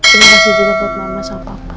terima kasih juga buat mama sama papa